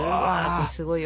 すごいよ。